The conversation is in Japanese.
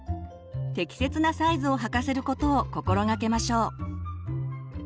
適切なサイズを履かせることを心がけましょう。